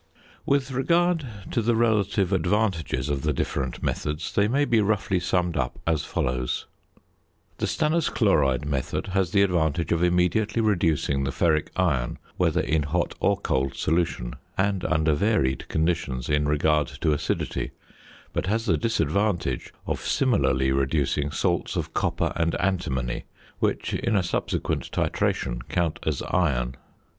With regard to the relative advantages of the different methods they may be roughly summed up as follows: The stannous chloride method has the advantage of immediately reducing the ferric iron whether in hot or cold solution and under varied conditions in regard to acidity, but has the disadvantage of similarly reducing salts of copper and antimony, which, in a subsequent titration, count as iron.